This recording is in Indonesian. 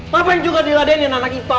ngapain juga diladenin anak kita